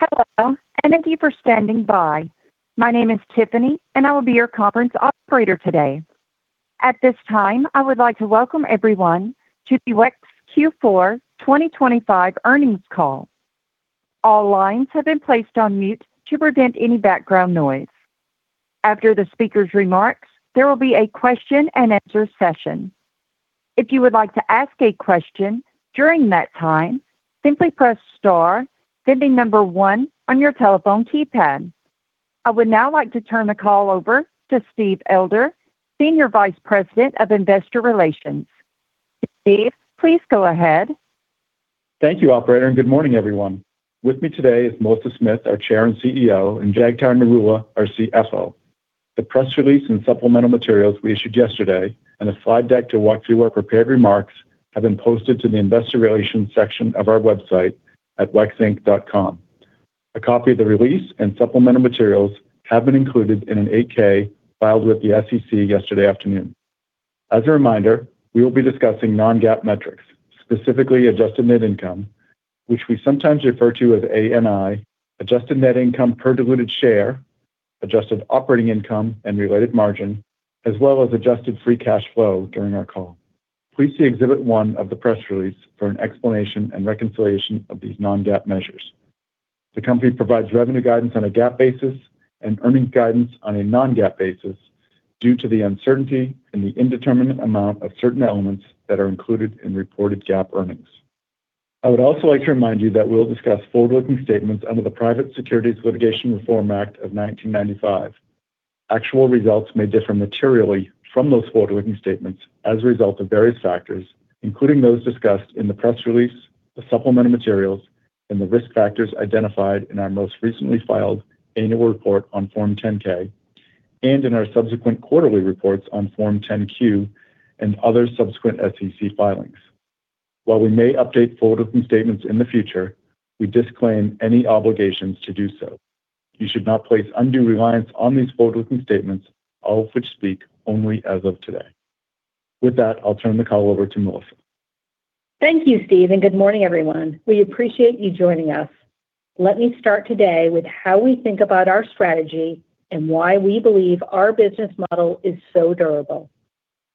Hello and thank you for standing by. My name is Tiffany and I will be your conference operator today. At this time I would like to welcome everyone to the WEX Q4 2025 earnings call. All lines have been placed on mute to prevent any background noise. After the speaker's remarks there will be a question and answer session. If you would like to ask a question during that time simply press star then the number one on your telephone keypad. I would now like to turn the call over to Steve Elder, Senior Vice President of Investor Relations. Steve, please go ahead. Thank you operator and good morning everyone. With me today is Melissa Smith, our Chair and CEO, and Jagtar Narula, our CFO. The press release and supplemental materials we issued yesterday and a slide deck to walk through our prepared remarks have been posted to the Investor Relations section of our website at wexinc.com. A copy of the release and supplemental materials have been included in an 8-K filed with the SEC yesterday afternoon. As a reminder, we will be discussing non-GAAP metrics, specifically adjusted net income, which we sometimes refer to as ANI, adjusted net income per diluted share, adjusted operating income and related margin, as well as adjusted free cash flow during our call. Please see Exhibit one of the press release for an explanation and reconciliation of these non-GAAP measures. The company provides revenue guidance on a GAAP basis and earnings guidance on a non-GAAP basis due to the uncertainty and the indeterminate amount of certain elements that are included in reported GAAP earnings. I would also like to remind you that we'll discuss forward-looking statements under the Private Securities Litigation Reform Act of 1995. Actual results may differ materially from those forward-looking statements as a result of various factors including those discussed in the press release, the supplemental materials, and the risk factors identified in our most recently filed annual report on Form 10-K, and in our subsequent quarterly reports on Form 10-Q and other subsequent SEC filings. While we may update forward-looking statements in the future, we disclaim any obligations to do so. You should not place undue reliance on these forward-looking statements, all of which speak only as of today. With that, I'll turn the call over to Melissa. Thank you, Steve, and good morning everyone. We appreciate you joining us. Let me start today with how we think about our strategy and why we believe our business model is so durable.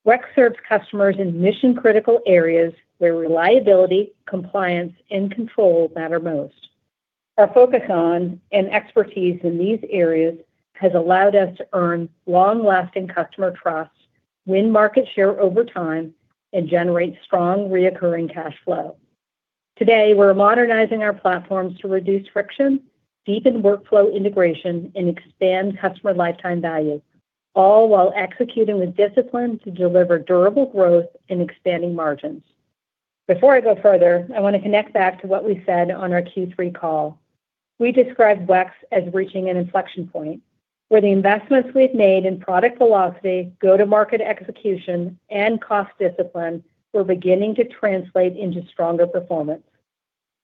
WEX serves customers in mission-critical areas where reliability, compliance, and control matter most. Our focus on and expertise in these areas has allowed us to earn long-lasting customer trust, win market share over time, and generate strong recurring cash flow. Today we're modernizing our platforms to reduce friction, deepen workflow integration, and expand customer lifetime value, all while executing with discipline to deliver durable growth and expanding margins. Before I go further, I want to connect back to what we said on our Q3 call. We described WEX as reaching an inflection point where the investments we've made in product velocity, go-to-market execution, and cost discipline were beginning to translate into stronger performance.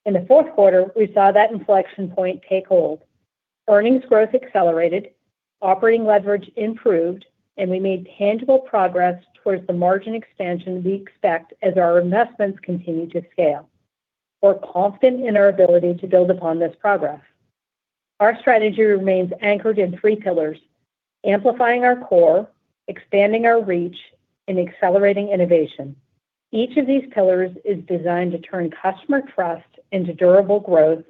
In the fourth quarter we saw that inflection point take hold. Earnings growth accelerated, operating leverage improved, and we made tangible progress towards the margin expansion we expect as our investments continue to scale. We're confident in our ability to build upon this progress. Our strategy remains anchored in three pillars: amplifying our core, expanding our reach, and accelerating innovation. Each of these pillars is designed to turn customer trust into durable growth,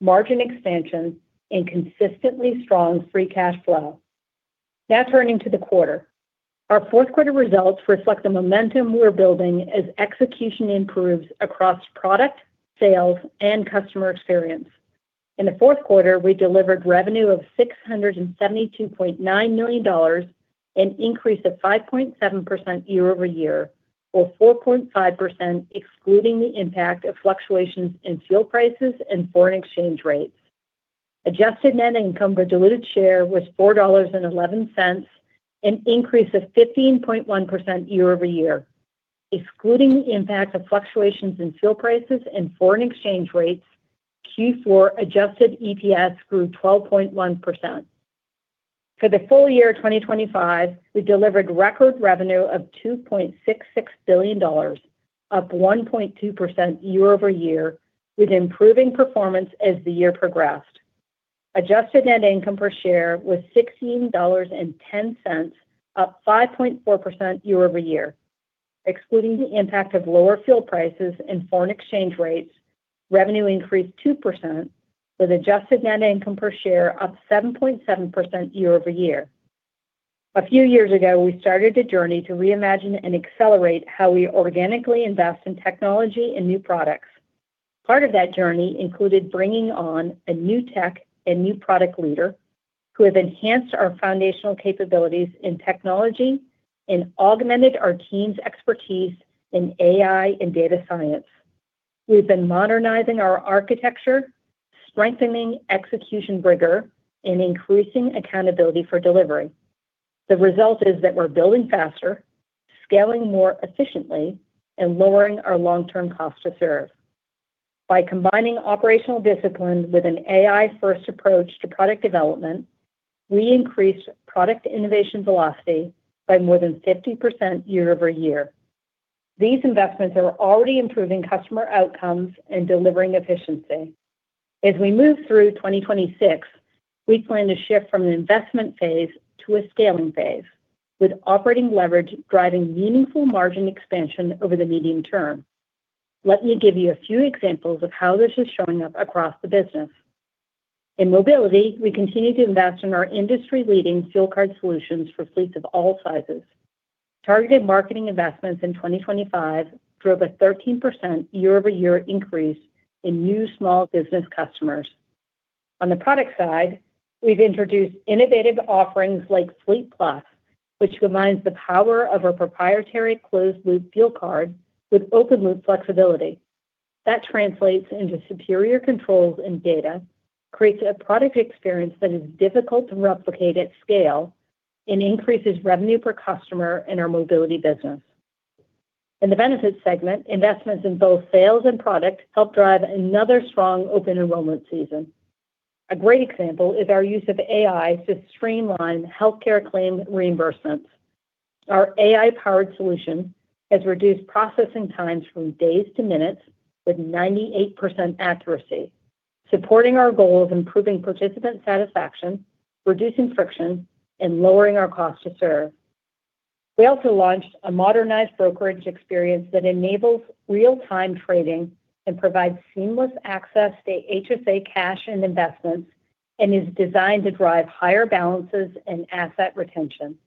margin expansion, and consistently strong free cash flow. Now turning to the quarter. Our fourth quarter results reflect the momentum we're building as execution improves across product, sales, and customer experience. In the fourth quarter we delivered revenue of $672.9 million, an increase of 5.7% year-over-year, or 4.5% excluding the impact of fluctuations in fuel prices and foreign exchange rates. Adjusted Net Income per diluted share was $4.11, an increase of 15.1% year-over-year. Excluding the impact of fluctuations in fuel prices and foreign exchange rates, Q4 adjusted EPS grew 12.1%. For the full year 2025 we delivered record revenue of $2.66 billion, up 1.2% year-over-year, with improving performance as the year progressed. Adjusted net income per share was $16.10, up 5.4% year-over-year. Excluding the impact of lower fuel prices and foreign exchange rates, revenue increased 2%, with adjusted net income per share up 7.7% year-over-year. A few years ago we started a journey to reimagine and accelerate how we organically invest in technology and new products. Part of that journey included bringing on a new tech and new product leader who have enhanced our foundational capabilities in technology and augmented our team's expertise in AI and data science. We've been modernizing our architecture, strengthening execution rigor, and increasing accountability for delivery. The result is that we're building faster, scaling more efficiently, and lowering our long-term cost to serve. By combining operational discipline with an AI-first approach to product development, we increased product innovation velocity by more than 50% year-over-year. These investments are already improving customer outcomes and delivering efficiency. As we move through 2026 we plan to shift from an investment phase to a scaling phase, with operating leverage driving meaningful margin expansion over the medium term. Let me give you a few examples of how this is showing up across the business. In Mobility we continue to invest in our industry-leading fuel card solutions for fleets of all sizes. Targeted marketing investments in 2025 drove a 13% year-over-year increase in new small business customers. On the product side we've introduced innovative offerings like Fleet Plus, which combines the power of our proprietary closed-loop fuel card with open-loop flexibility. That translates into superior controls and data, creates a product experience that is difficult to replicate at scale, and increases revenue per customer in our mobility business. In the benefits segment investments in both sales and product help drive another strong open enrollment season. A great example is our use of AI to streamline healthcare claim reimbursements. Our AI-powered solution has reduced processing times from days to minutes with 98% accuracy, supporting our goal of improving participant satisfaction, reducing friction, and lowering our cost to serve. We also launched a modernized brokerage experience that enables real-time trading and provides seamless access to HSA cash and investments, and is designed to drive higher balances and asset retention.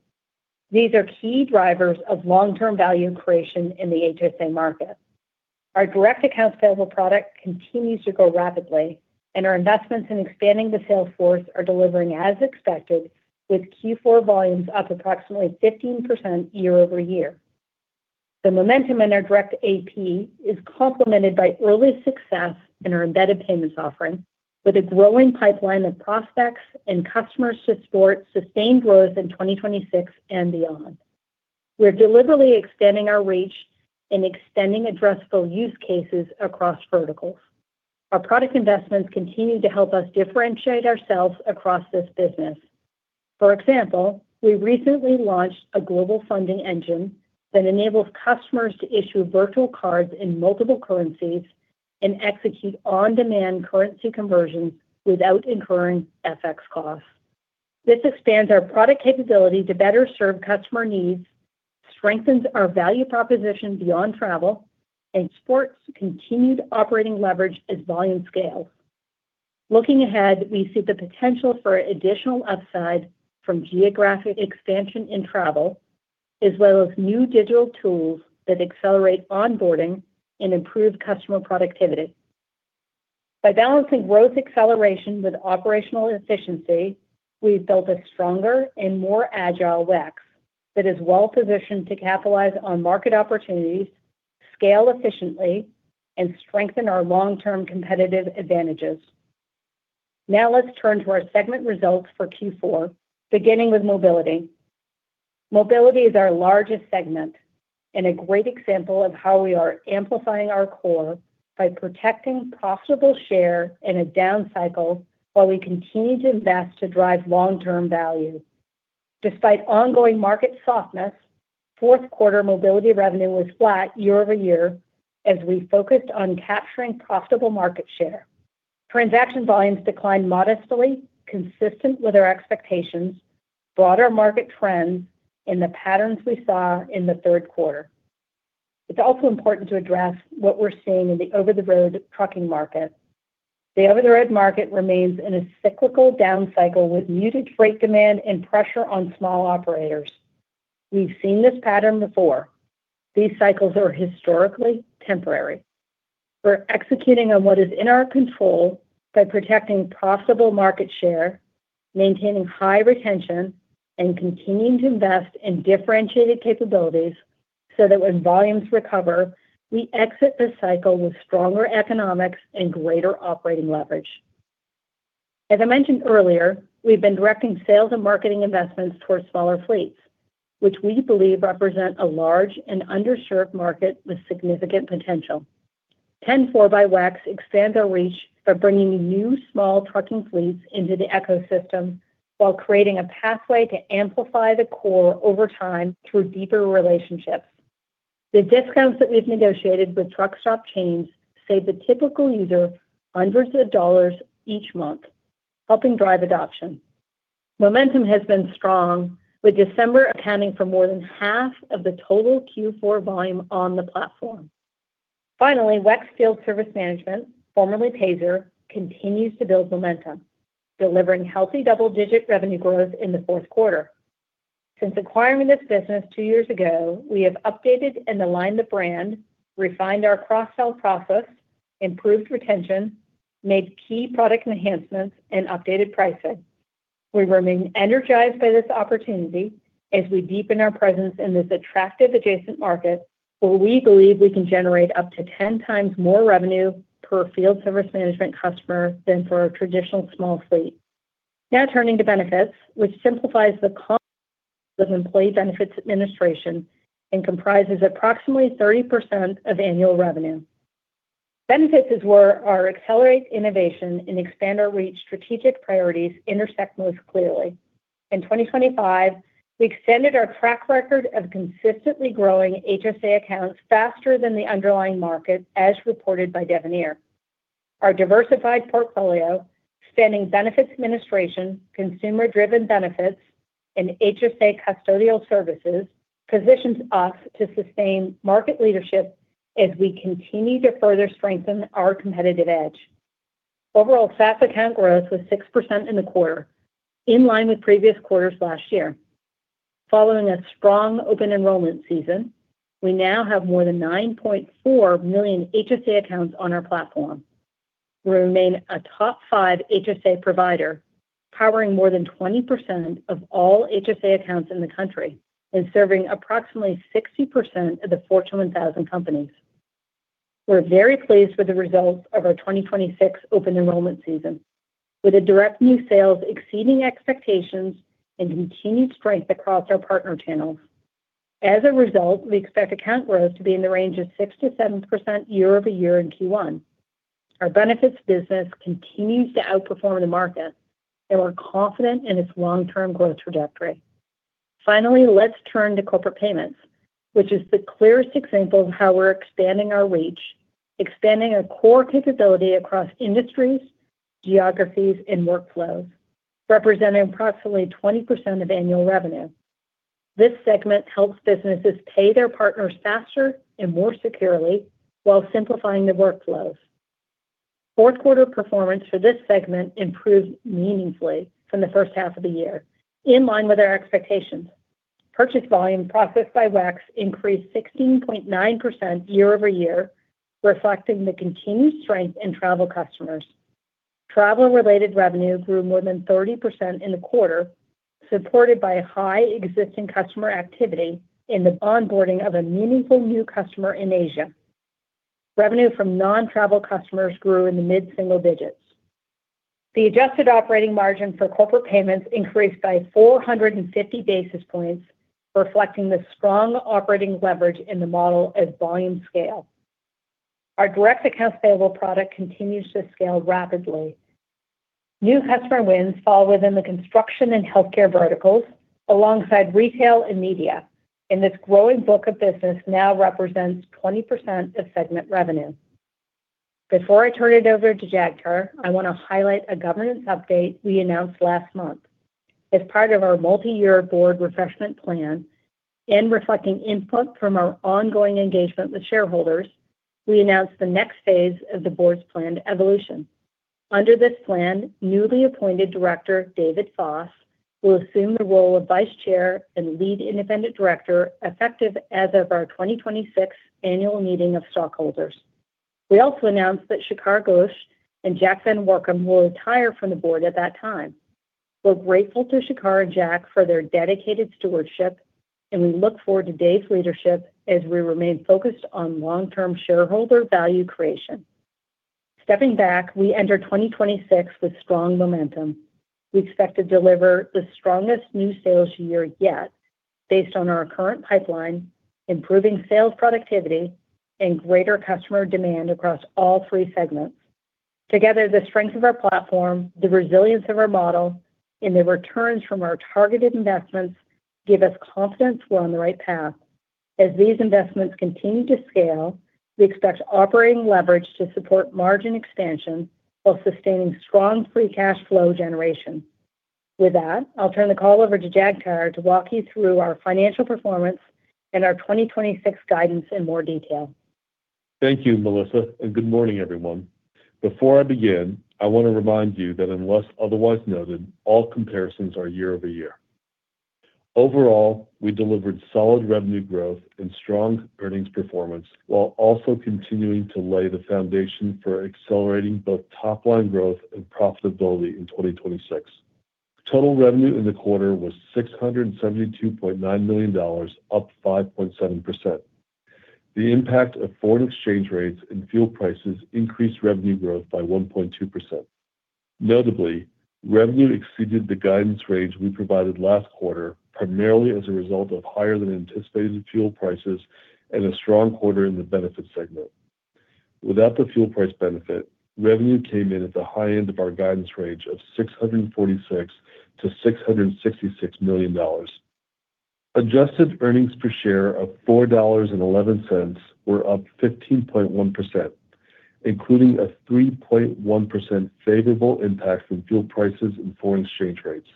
These are key drivers of long-term value creation in the HSA market. Our direct accounts payable product continues to grow rapidly, and our investments in expanding the sales force are delivering as expected, with Q4 volumes up approximately 15% year-over-year. The momentum in our direct AP is complemented by early success in our embedded payments offering, with a growing pipeline of prospects and customers to support sustained growth in 2026 and beyond. We're deliberately expanding our reach and extending addressable use cases across verticals. Our product investments continue to help us differentiate ourselves across this business. For example, we recently launched a global funding engine that enables customers to issue virtual cards in multiple currencies and execute on-demand currency conversions without incurring FX costs. This expands our product capability to better serve customer needs, strengthens our value proposition beyond travel, and supports continued operating leverage as volume scales. Looking ahead we see the potential for additional upside from geographic expansion in travel, as well as new digital tools that accelerate onboarding and improve customer productivity. By balancing growth acceleration with operational efficiency we've built a stronger and more agile WEX that is well-positioned to capitalize on market opportunities, scale efficiently, and strengthen our long-term competitive advantages. Now let's turn to our segment results for Q4, beginning with Mobility. Mobility is our largest segment and a great example of how we are amplifying our core by protecting profitable share in a down cycle while we continue to invest to drive long-term value. Despite ongoing market softness, fourth quarter mobility revenue was flat year-over-year as we focused on capturing profitable market share. Transaction volumes declined modestly, consistent with our expectations, broader market trends, and the patterns we saw in the third quarter. It's also important to address what we're seeing in the over-the-road trucking market. The over-the-road market remains in a cyclical down cycle with muted freight demand and pressure on small operators. We've seen this pattern before. These cycles are historically temporary. We're executing on what is in our control by protecting profitable market share, maintaining high retention, and continuing to invest in differentiated capabilities so that when volumes recover we exit the cycle with stronger economics and greater operating leverage. As I mentioned earlier, we've been directing sales and marketing investments toward smaller fleets, which we believe represent a large and underserved market with significant potential. 10-4 by WEX expands our reach by bringing new small trucking fleets into the ecosystem while creating a pathway to amplify the core over time through deeper relationships. The discounts that we've negotiated with truck stop chains save the typical user hundreds of dollars each month, helping drive adoption. Momentum has been strong, with December accounting for more than half of the total Q4 volume on the platform. Finally, WEX Field Service Management, formerly Payzer, continues to build momentum, delivering healthy double-digit revenue growth in the fourth quarter. Since acquiring this business two years ago we have updated and aligned the brand, refined our cross-sell process, improved retention, made key product enhancements, and updated pricing. We remain energized by this opportunity as we deepen our presence in this attractive adjacent market where we believe we can generate up to 10 times more revenue per field service management customer than for a traditional small fleet. Now turning to Benefits, which simplifies the cost of employee benefits administration and comprises approximately 30% of annual revenue. Benefits, as were our accelerate innovation and expand our reach strategic priorities intersect most clearly. In 2025 we extended our track record of consistently growing HSA accounts faster than the underlying market, as reported by Devenir. Our diversified portfolio, spanning benefits administration, consumer-driven benefits, and HSA custodial services, positions us to sustain market leadership as we continue to further strengthen our competitive edge. Overall SaaS account growth was 6% in the quarter, in line with previous quarters last year. Following a strong open enrollment season we now have more than 9.4 million HSA accounts on our platform. We remain a top five HSA provider, powering more than 20% of all HSA accounts in the country and serving approximately 60% of the Fortune 1000 companies. We're very pleased with the results of our 2026 open enrollment season, with direct new sales exceeding expectations and continued strength across our partner channels. As a result, we expect account growth to be in the range of 6%-7% year-over-year in Q1. Our Benefits business continues to outperform the market and we're confident in its long-term growth trajectory. Finally, let's turn to Corporate Payments, which is the clearest example of how we're expanding our reach, expanding our core capability across industries, geographies, and workflows, representing approximately 20% of annual revenue. This segment helps businesses pay their partners faster and more securely while simplifying the workflows. Fourth quarter performance for this segment improved meaningfully from the first half of the year, in line with our expectations. Purchase volume processed by WEX increased 16.9% year-over-year, reflecting the continued strength in travel customers. Travel-related revenue grew more than 30% in the quarter, supported by high existing customer activity and the onboarding of a meaningful new customer in Asia. Revenue from non-travel customers grew in the mid-single digits. The adjusted operating margin for corporate payments increased by 450 basis points, reflecting the strong operating leverage in the model as volume scale. Our direct accounts payable product continues to scale rapidly. New customer wins fall within the construction and healthcare verticals, alongside retail and media, and this growing book of business now represents 20% of segment revenue. Before I turn it over to Jagtar I want to highlight a governance update we announced last month. As part of our multi-year board refreshment plan and reflecting input from our ongoing engagement with shareholders we announced the next phase of the board's planned evolution. Under this plan newly appointed director David Foss will assume the role of Vice Chair and Lead Independent Director effective as of our 2026 annual meeting of stockholders. We also announced that Shikhar Ghosh and Jack VanWoerkom will retire from the board at that time. We're grateful to Shikhar and Jack for their dedicated stewardship and we look forward to Dave's leadership as we remain focused on long-term shareholder value creation. Stepping back we enter 2026 with strong momentum. We expect to deliver the strongest new sales year yet based on our current pipeline, improving sales productivity, and greater customer demand across all three segments. Together the strength of our platform, the resilience of our model, and the returns from our targeted investments give us confidence we're on the right path. As these investments continue to scale we expect operating leverage to support margin expansion while sustaining strong free cash flow generation. With that I'll turn the call over to Jagtar to walk you through our financial performance and our 2026 guidance in more detail. Thank you, Melissa, and good morning everyone. Before I begin I want to remind you that unless otherwise noted all comparisons are year over year. Overall we delivered solid revenue growth and strong earnings performance while also continuing to lay the foundation for accelerating both top-line growth and profitability in 2026. Total revenue in the quarter was $672.9 million, up 5.7%. The impact of foreign exchange rates and fuel prices increased revenue growth by 1.2%. Notably revenue exceeded the guidance range we provided last quarter primarily as a result of higher than anticipated fuel prices and a strong quarter in the benefits segment. Without the fuel price benefit revenue came in at the high end of our guidance range of $646 million-$666 million. Adjusted earnings per share of $4.11 were up 15.1%, including a 3.1% favorable impact from fuel prices and foreign exchange rates.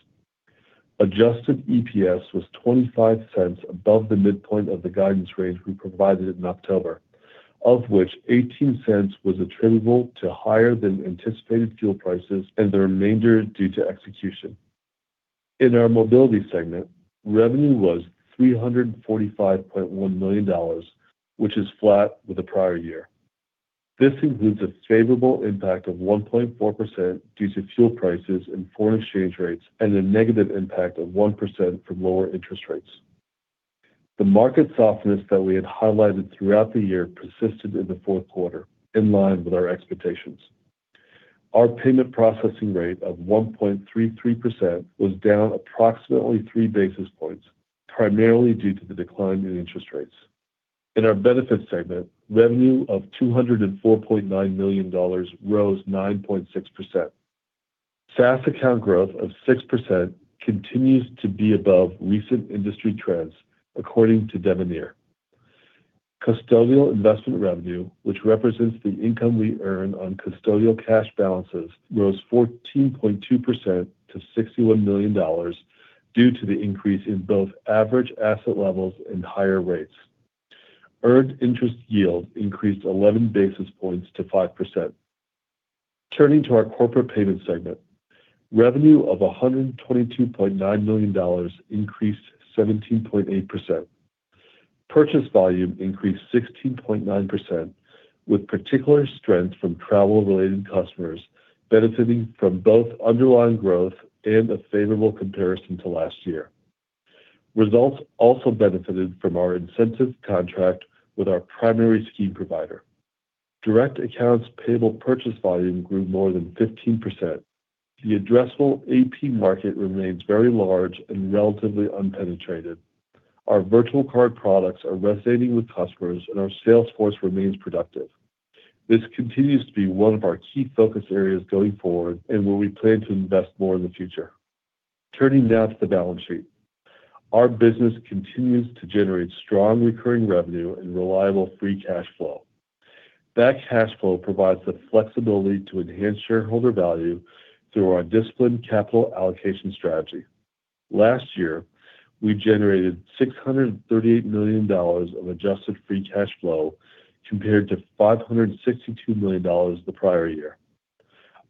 Adjusted EPS was $0.25 above the midpoint of the guidance range we provided in October, of which $0.18 was attributable to higher than anticipated fuel prices and the remainder due to execution. In our mobility segment revenue was $345.1 million, which is flat with the prior year. This includes a favorable impact of 1.4% due to fuel prices and foreign exchange rates and a negative impact of 1% from lower interest rates. The market softness that we had highlighted throughout the year persisted in the fourth quarter, in line with our expectations. Our payment processing rate of 1.33% was down approximately three basis points, primarily due to the decline in interest rates. In our benefits segment revenue of $204.9 million rose 9.6%. SaaS account growth of 6% continues to be above recent industry trends, according to Devenir. Custodial investment revenue, which represents the income we earn on custodial cash balances, rose 14.2% to $61 million due to the increase in both average asset levels and higher rates. Earned interest yield increased 11 basis points to 5%. Turning to our corporate payments segment revenue of $122.9 million increased 17.8%. Purchase volume increased 16.9%, with particular strength from travel-related customers benefiting from both underlying growth and a favorable comparison to last year. Results also benefited from our incentive contract with our primary scheme provider. Direct accounts payable purchase volume grew more than 15%. The addressable AP market remains very large and relatively unpenetrated. Our virtual card products are resonating with customers and our sales force remains productive. This continues to be one of our key focus areas going forward and where we plan to invest more in the future. Turning now to the balance sheet. Our business continues to generate strong recurring revenue and reliable free cash flow. That cash flow provides the flexibility to enhance shareholder value through our disciplined capital allocation strategy. Last year we generated $638 million of adjusted free cash flow compared to $562 million the prior year.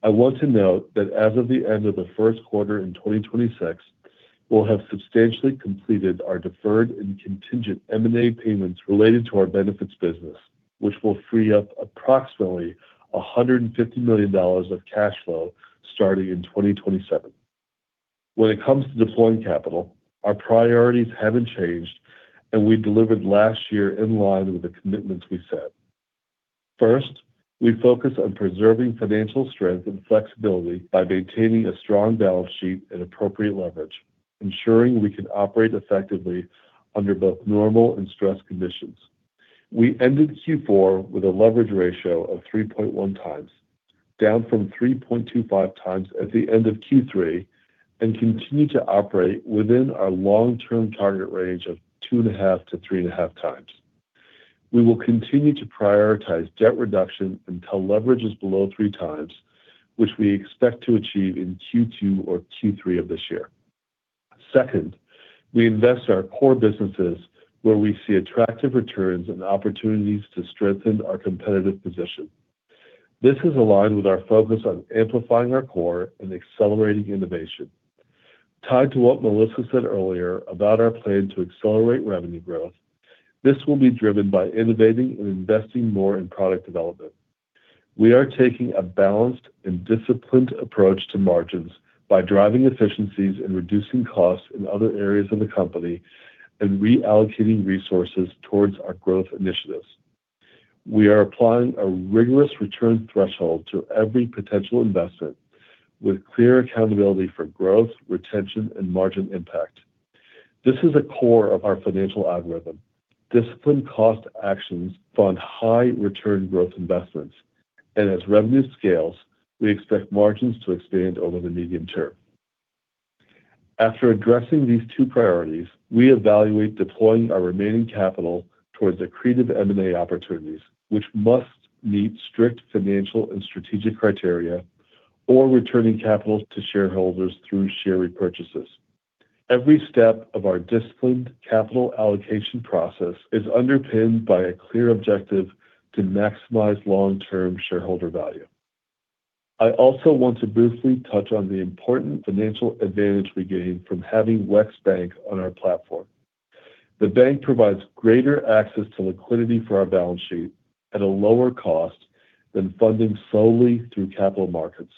I want to note that as of the end of the first quarter in 2026 we'll have substantially completed our deferred and contingent M&A payments related to our benefits business, which will free up approximately $150 million of cash flow starting in 2027. When it comes to deploying capital our priorities haven't changed and we delivered last year in line with the commitments we set. First we focus on preserving financial strength and flexibility by maintaining a strong balance sheet and appropriate leverage, ensuring we can operate effectively under both normal and stress conditions. We ended Q4 with a leverage ratio of 3.1x, down from 3.25x at the end of Q3, and continue to operate within our long-term target range of 2.5x-3.5x. We will continue to prioritize debt reduction until leverage is below 3x, which we expect to achieve in Q2 or Q3 of this year. Second, we invest our core businesses where we see attractive returns and opportunities to strengthen our competitive position. This is aligned with our focus on amplifying our core and accelerating innovation. Tied to what Melissa said earlier about our plan to accelerate revenue growth, this will be driven by innovating and investing more in product development. We are taking a balanced and disciplined approach to margins by driving efficiencies and reducing costs in other areas of the company and reallocating resources towards our growth initiatives. We are applying a rigorous return threshold to every potential investment, with clear accountability for growth, retention, and margin impact. This is a core of our financial algorithm. Disciplined cost actions fund high return growth investments and as revenue scales we expect margins to expand over the medium term. After addressing these two priorities we evaluate deploying our remaining capital towards accretive M&A opportunities, which must meet strict financial and strategic criteria, or returning capital to shareholders through share repurchases. Every step of our disciplined capital allocation process is underpinned by a clear objective to maximize long-term shareholder value. I also want to briefly touch on the important financial advantage we gain from having WEX Bank on our platform. The bank provides greater access to liquidity for our balance sheet at a lower cost than funding solely through capital markets.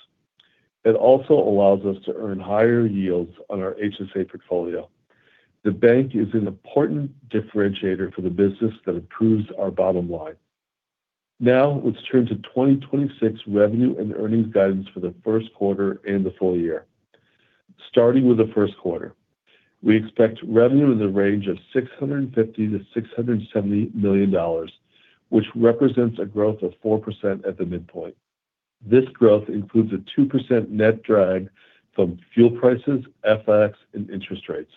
It also allows us to earn higher yields on our HSA portfolio. The bank is an important differentiator for the business that improves our bottom line. Now let's turn to 2026 revenue and earnings guidance for the first quarter and the full year. Starting with the first quarter we expect revenue in the range of $650 million-$670 million, which represents a growth of 4% at the midpoint. This growth includes a 2% net drag from fuel prices, FX, and interest rates.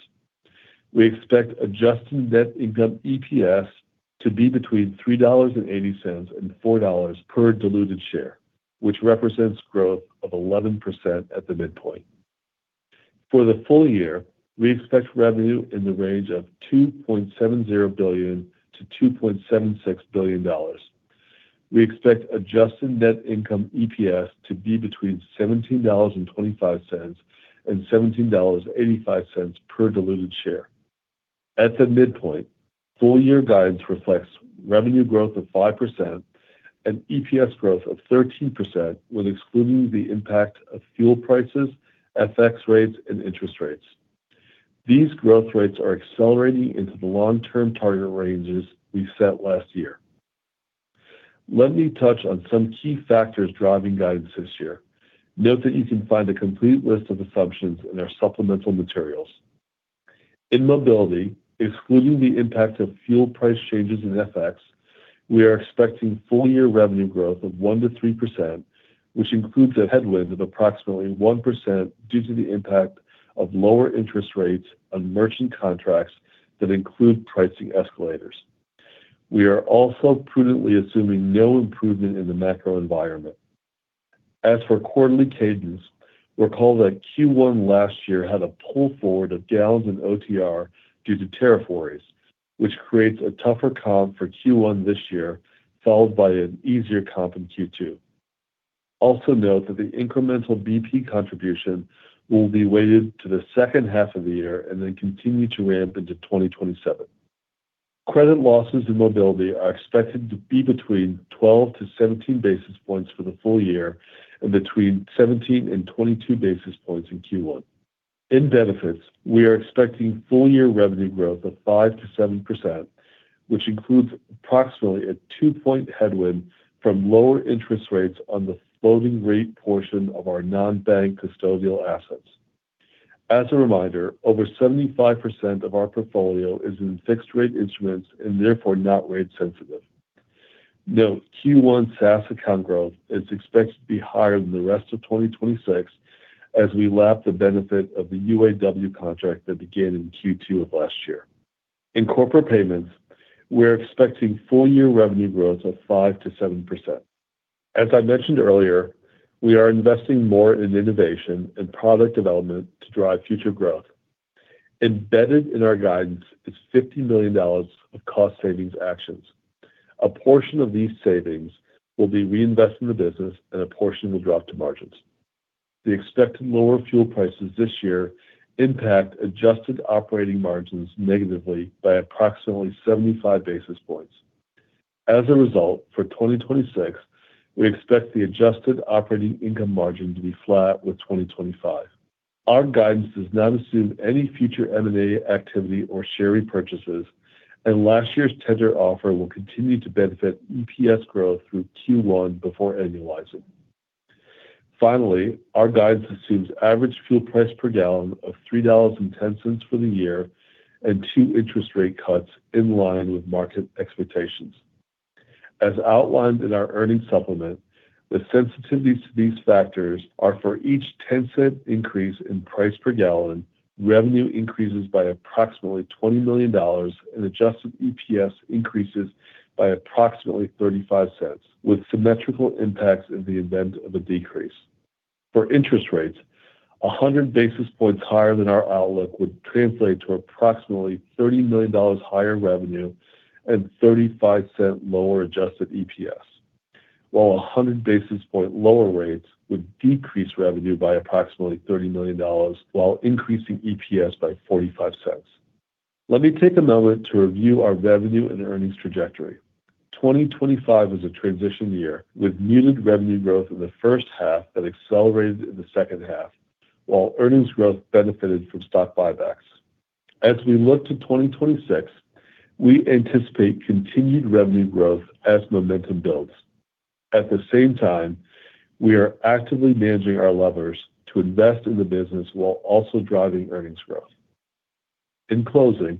We expect adjusted net income EPS to be between $3.80 and $4 per diluted share, which represents growth of 11% at the midpoint. For the full year we expect revenue in the range of $2.70 billion-$2.76 billion. We expect adjusted net income EPS to be between $17.25 and $17.85 per diluted share. At the midpoint, full year guidance reflects revenue growth of 5% and EPS growth of 13%, with excluding the impact of fuel prices, FX rates, and interest rates. These growth rates are accelerating into the long-term target ranges we set last year. Let me touch on some key factors driving guidance this year. Note that you can find a complete list of assumptions in our supplemental materials. In mobility excluding the impact of fuel price changes in FX we are expecting full year revenue growth of 1%-3%, which includes a headwind of approximately 1% due to the impact of lower interest rates on merchant contracts that include pricing escalators. We are also prudently assuming no improvement in the macro environment. As for quarterly cadence, we're calling that Q1 last year had a pull forward of gallons in OTR due to tariff worries, which creates a tougher comp for Q1 this year followed by an easier comp in Q2. Also note that the incremental BP contribution will be weighted to the second half of the year and then continue to ramp into 2027. Credit losses in mobility are expected to be between 12-17 basis points for the full year and between 17 and 22 basis points in Q1. In benefits we are expecting full year revenue growth of 5%-7%, which includes approximately a two-point headwind from lower interest rates on the floating rate portion of our non-bank custodial assets. As a reminder over 75% of our portfolio is in fixed rate instruments and therefore not rate sensitive. Note Q1 SaaS account growth is expected to be higher than the rest of 2026 as we lap the benefit of the UAW contract that began in Q2 of last year. In corporate payments we're expecting full year revenue growth of 5%-7%. As I mentioned earlier we are investing more in innovation and product development to drive future growth. Embedded in our guidance is $50 million of cost savings actions. A portion of these savings will be reinvested in the business and a portion will drop to margins. The expected lower fuel prices this year impact adjusted operating margins negatively by approximately 75 basis points. As a result for 2026 we expect the adjusted operating income margin to be flat with 2025. Our guidance does not assume any future M&A activity or share repurchases, and last year's tender offer will continue to benefit EPS growth through Q1 before annualizing. Finally, our guidance assumes average fuel price per gallon of $3.10 for the year and two interest rate cuts in line with market expectations. As outlined in our earnings supplement, the sensitivities to these factors are for each $0.10 increase in price per gallon revenue increases by approximately $20 million and adjusted EPS increases by approximately $0.35, with symmetrical impacts in the event of a decrease. For interest rates, 100 basis points higher than our outlook would translate to approximately $30 million higher revenue and $0.35 lower adjusted EPS, while 100 basis point lower rates would decrease revenue by approximately $30 million while increasing EPS by $0.45. Let me take a moment to review our revenue and earnings trajectory. 2025 is a transition year with muted revenue growth in the first half that accelerated in the second half, while earnings growth benefited from stock buybacks. As we look to 2026 we anticipate continued revenue growth as momentum builds. At the same time we are actively managing our levers to invest in the business while also driving earnings growth. In closing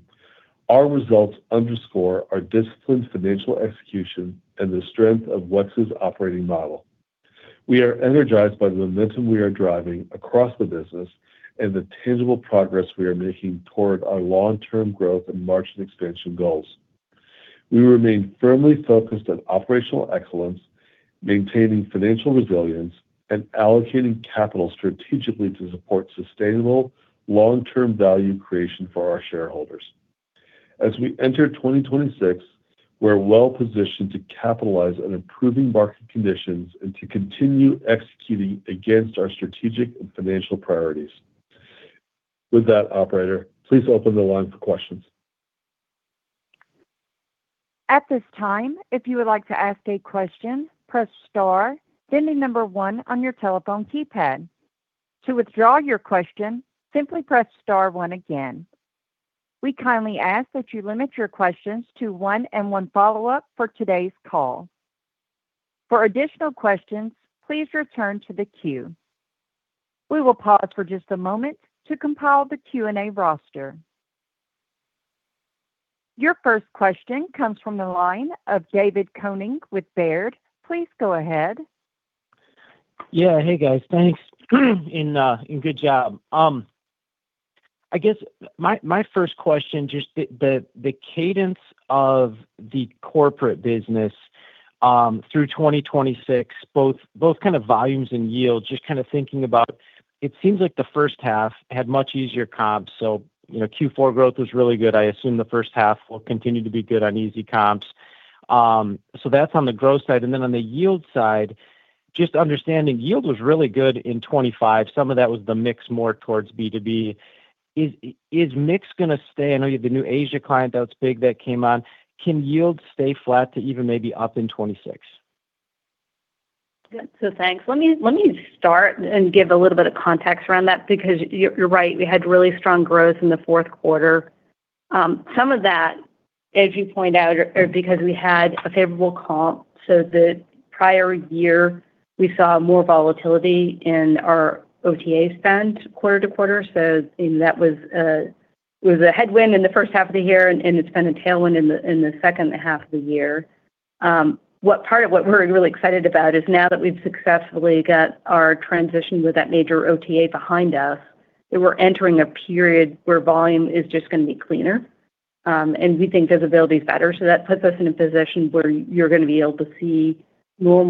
our results underscore our disciplined financial execution and the strength of WEX's operating model. We are energized by the momentum we are driving across the business and the tangible progress we are making toward our long-term growth and margin expansion goals. We remain firmly focused on operational excellence, maintaining financial resilience, and allocating capital strategically to support sustainable long-term value creation for our shareholders. As we enter 2026 we're well positioned to capitalize on improving market conditions and to continue executing against our strategic and financial priorities. With that, operator, please open the line for questions. At this time, if you would like to ask a question, press star, then the number one on your telephone keypad. To withdraw your question, simply press star one again. We kindly ask that you limit your questions to one and one follow-up for today's call. For additional questions, please return to the queue. We will pause for just a moment to compile the Q&A roster. Your first question comes from the line of David Koenig with Baird. Please go ahead. Yeah, hey guys, thanks and good job. I guess my first question just the cadence of the corporate business through 2026 both kind of volumes and yield just kind of thinking about it seems like the first half had much easier comps so Q4 growth was really good I assume the first half will continue to be good on easy comps. So that's on the growth side and then on the yield side just understanding yield was really good in 2025 some of that was the mix more towards B2B. Is mix going to stay I know you had the new Asia client that was big that came on can yield stay flat to even maybe up in 2026? Good, so thanks. Let me start and give a little bit of context around that because you're right. We had really strong growth in the fourth quarter. Some of that, as you point out, because we had a favorable comp, so the prior year we saw more volatility in our OTA spend quarter-to-quarter, so that was a headwind in the first half of the year and it's been a tailwind in the second half of the year. Part of what we're really excited about is now that we've successfully got our transition with that major OTA behind us, that we're entering a period where volume is just going to be cleaner and we think visibility is better, so that puts us in a position where you're going to be able to see more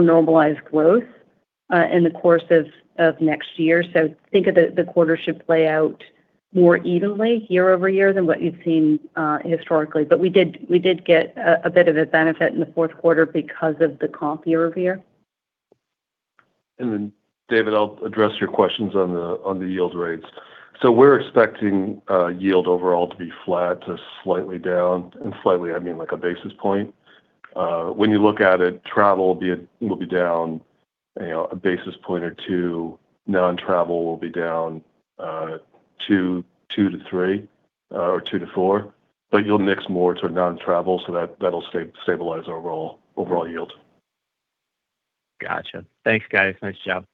normalized growth in the course of next year, so think of the quarter should play out more evenly year-over-year than what you've seen historically, but we did get a bit of a benefit in the fourth quarter because of the comp year-over-year. Then, David, I'll address your questions on the yield rates. We're expecting yield overall to be flat to slightly down and slightly—I mean, like, a basis point. When you look at it, travel will be down a basis point or two, non-travel will be down two-three or two-four, but you'll mix more toward non-travel so that'll stabilize overall yield. Gotcha. Thanks guys. Nice job.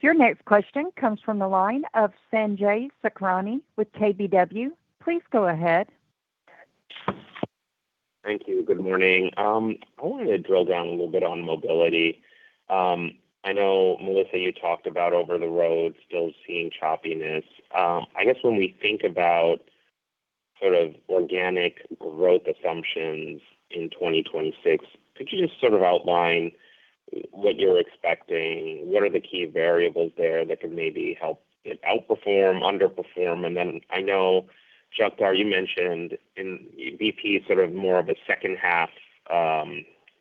Your next question comes from the line of Sanjay Sakhrani with KBW. Please go ahead. Thank you. Good morning. I wanted to drill down a little bit on mobility. I know, Melissa, you talked about over the road still seeing choppiness. I guess when we think about sort of organic growth assumptions in 2026, could you just sort of outline what you're expecting, what are the key variables there that could maybe help it outperform, underperform, and then I know, Jagtar, you mentioned BP sort of more of a second half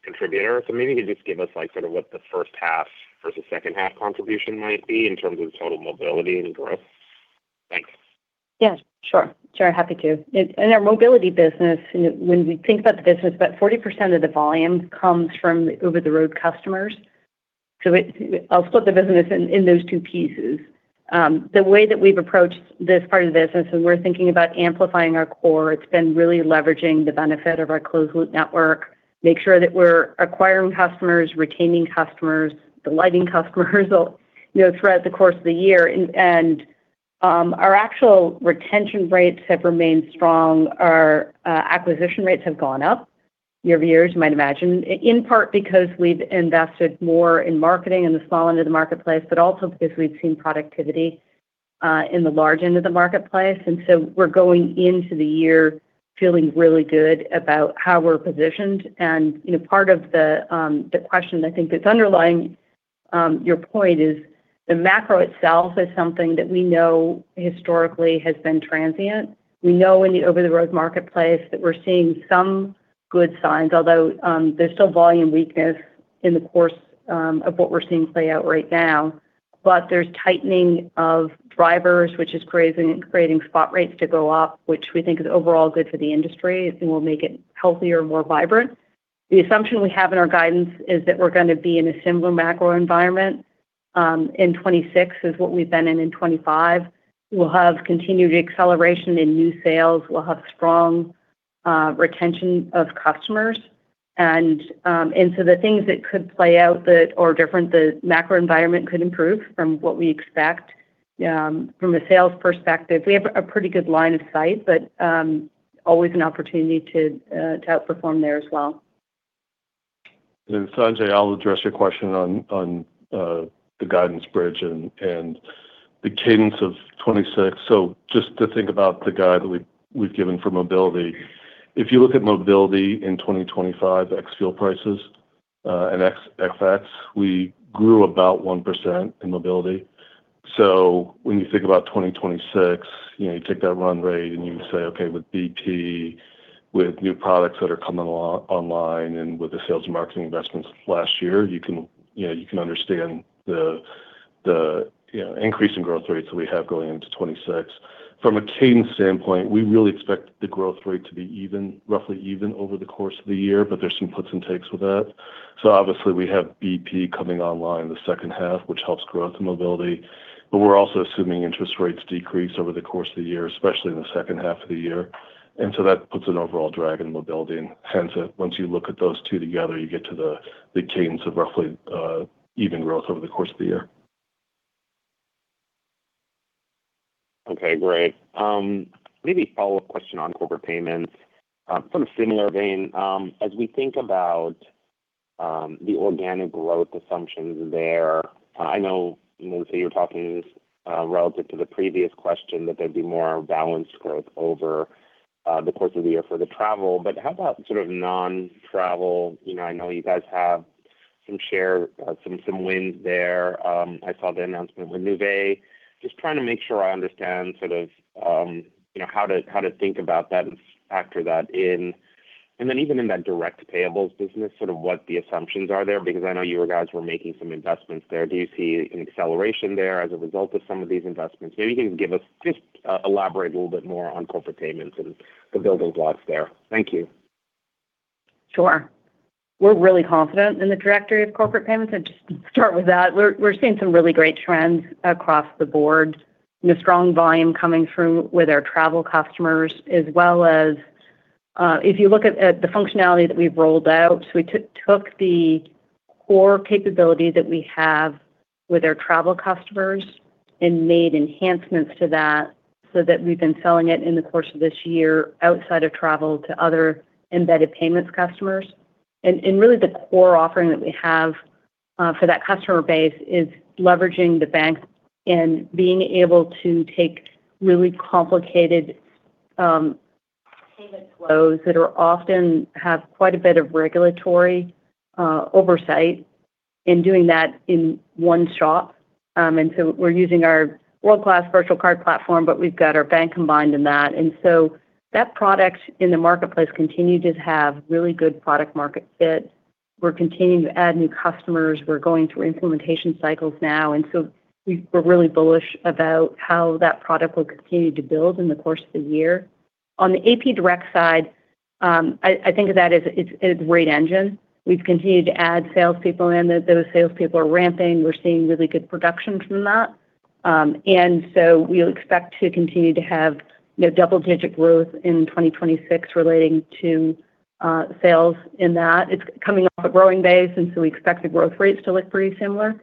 contributor, so maybe you could just give us sort of what the first half versus second half contribution might be in terms of total mobility and growth? Thanks. Yeah, sure. Sure. Happy to. In our mobility business, when we think about the business, about 40% of the volume comes from over-the-road customers. So I'll split the business in those two pieces. The way that we've approached this part of the business and we're thinking about amplifying our core it's been really leveraging the benefit of our closed-loop network, make sure that we're acquiring customers, retaining customers, delighting customers throughout the course of the year, and our actual retention rates have remained strong. Our acquisition rates have gone up year-over-year as you might imagine in part because we've invested more in marketing in the small end of the marketplace, but also because we've seen productivity in the large end of the marketplace, and so we're going into the year feeling really good about how we're positioned. And part of the question I think that's underlying your point is the macro itself is something that we know historically has been transient. We know in the over-the-road marketplace that we're seeing some good signs although there's still volume weakness in the course of what we're seeing play out right now, but there's tightening of drivers which is creating spot rates to go up which we think is overall good for the industry and will make it healthier and more vibrant. The assumption we have in our guidance is that we're going to be in a similar macro environment in 2026 as what we've been in in 2025. We'll have continued acceleration in new sales. We'll have strong retention of customers and so the things that could play out that are different the macro environment could improve from what we expect from a sales perspective. We have a pretty good line of sight but always an opportunity to outperform there as well. Sanjay, I'll address your question on the guidance bridge and the cadence of 2026. Just to think about the guide that we've given for mobility, if you look at mobility in 2025 ex-fuel prices and FX, we grew about 1% in mobility. When you think about 2026, you take that run rate and you say okay, with BP, with new products that are coming online and with the sales and marketing investments last year, you can understand the increase in growth rates that we have going into 2026. From a cadence standpoint, we really expect the growth rate to be even, roughly even over the course of the year, but there's some puts and takes with that. Obviously we have BP coming online the second half which helps growth and mobility, but we're also assuming interest rates decrease over the course of the year especially in the second half of the year, and so that puts an overall drag on mobility and hence once you look at those two together you get to the cadence of roughly even growth over the course of the year. Okay great. Maybe follow-up question on corporate payments. Sort of similar vein as we think about the organic growth assumptions there. I know Melissa you were talking relative to the previous question that there'd be more balanced growth over the course of the year for the travel but how about sort of non-travel. I know you guys have some share some wins there. I saw the announcement with Nuvei. Just trying to make sure I understand sort of how to think about that and factor that in and then even in that direct payables business sort of what the assumptions are there because I know you guys were making some investments there. Do you see an acceleration there as a result of some of these investments? Maybe you can just give us just elaborate a little bit more on corporate payments and the building blocks there. Thank you. Sure. We're really confident in the trajectory of corporate payments and just start with that. We're seeing some really great trends across the board. Strong volume coming through with our travel customers as well as if you look at the functionality that we've rolled out. We took the core capability that we have with our travel customers and made enhancements to that so that we've been selling it in the course of this year outside of travel to other embedded payments customers. And really the core offering that we have for that customer base is leveraging the banks and being able to take really complicated payment flows that often have quite a bit of regulatory oversight and doing that in one shop. And so we're using our world-class virtual card platform, but we've got our bank combined in that, and so that product in the marketplace continues to have really good product-market fit. We're continuing to add new customers. We're going through implementation cycles now, and so we're really bullish about how that product will continue to build in the course of the year. On the AP Direct side, I think of that as it's a great engine. We've continued to add salespeople in that. Those salespeople are ramping. We're seeing really good production from that, and so we'll expect to continue to have double-digit growth in 2026 relating to sales in that. It's coming off a growing base, and so we expect the growth rates to look pretty similar.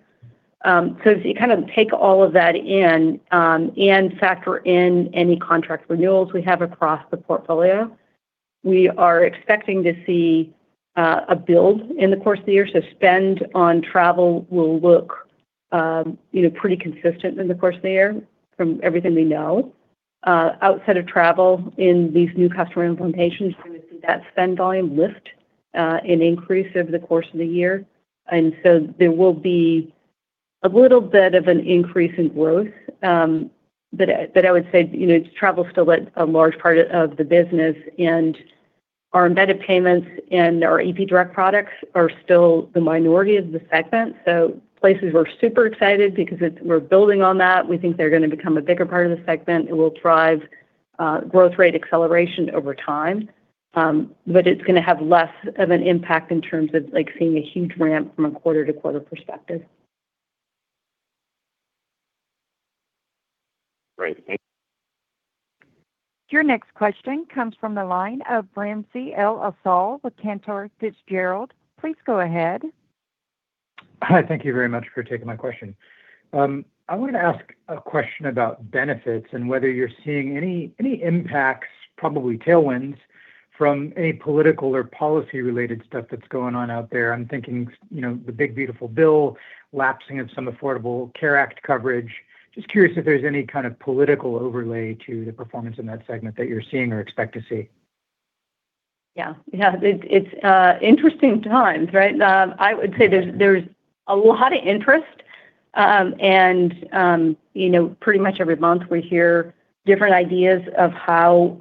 So if you kind of take all of that in and factor in any contract renewals we have across the portfolio, we are expecting to see a build in the course of the year, so spend on travel will look pretty consistent in the course of the year from everything we know. Outside of travel, in these new customer implementations, we're going to see that spend volume lift and increase over the course of the year, and so there will be a little bit of an increase in growth, but I would say travel's still a large part of the business, and our Embedded Payments and our AP Direct products are still the minority of the segment, so places we're super excited because we're building on that. We think they're going to become a bigger part of the segment. It will drive growth rate acceleration over time but it's going to have less of an impact in terms of seeing a huge ramp from a quarter to quarter perspective. Great. Thank you. Your next question comes from the line of Ramsey El-Assal with Cantor Fitzgerald. Please go ahead. Hi, thank you very much for taking my question. I wanted to ask a question about Benefits and whether you're seeing any impacts, probably tailwinds, from any political or policy-related stuff that's going on out there. I'm thinking the big beautiful bill lapsing of some Affordable Care Act coverage. Just curious if there's any kind of political overlay to the performance in that segment that you're seeing or expect to see? Yeah. Yeah. It's interesting times right? I would say there's a lot of interest and pretty much every month we hear different ideas of how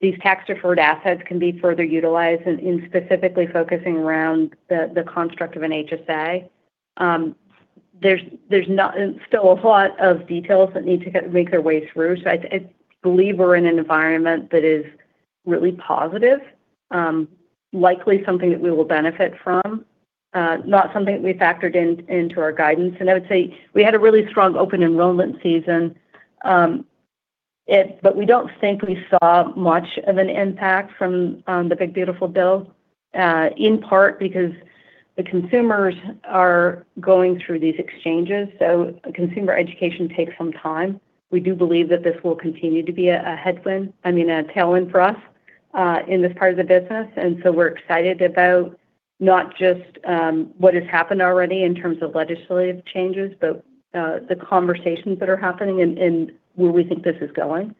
these tax-deferred assets can be further utilized and specifically focusing around the construct of an HSA. There's still a lot of details that need to make their way through so I believe we're in an environment that is really positive, likely something that we will benefit from, not something that we factored into our guidance. I would say we had a really strong open enrollment season but we don't think we saw much of an impact from the big beautiful bill in part because the consumers are going through these exchanges so consumer education takes some time. We do believe that this will continue to be a headwind, I mean a tailwind, for us in this part of the business, and so we're excited about not just what has happened already in terms of legislative changes but the conversations that are happening and where we think this is going,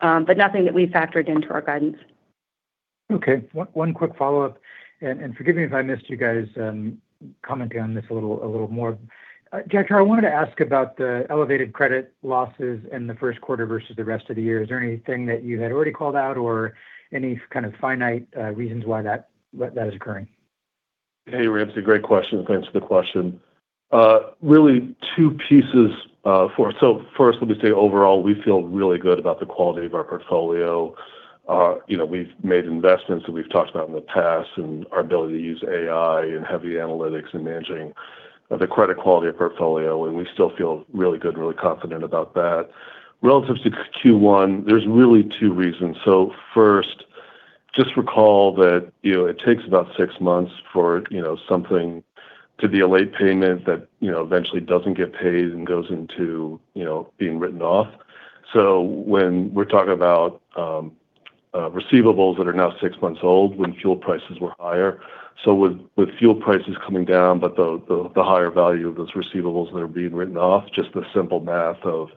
but nothing that we factored into our guidance. Okay. One quick follow-up and forgive me if I missed you guys commenting on this a little more. Jagtar, I wanted to ask about the elevated credit losses in the first quarter versus the rest of the year. Is there anything that you had already called out or any kind of finite reasons why that is occurring? Hey, Ramsey. Great question. Thanks for the question. Really two pieces. So first, let me say overall we feel really good about the quality of our portfolio. We've made investments that we've talked about in the past and our ability to use AI and heavy analytics and managing the credit quality of portfolio and we still feel really good and really confident about that. Relative to Q1 there's really two reasons. So first just recall that it takes about six months for something to be a late payment that eventually doesn't get paid and goes into being written off. So when we're talking about receivables that are now six months old when fuel prices were higher, so with fuel prices coming down but the higher value of those receivables that are being written off, just the simple math of